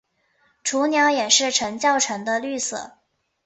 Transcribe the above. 雏鸟也是呈较沉的绿色。